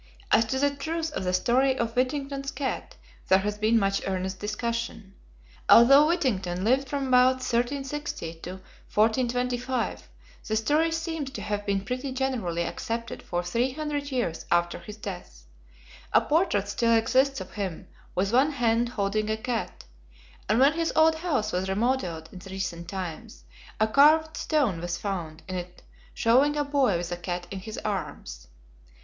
As to the truth of the story of Whittington's cat, there has been much earnest discussion. Although Whittington lived from about 1360 to 1425, the story seems to have been pretty generally accepted for three hundred years after his death. A portrait still exists of him, with one hand holding a cat, and when his old house was remodelled in recent times, a carved stone was found in it showing a boy with a cat in his arms.